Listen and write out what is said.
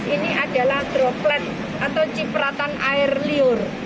ini adalah droplet atau cipratan air liur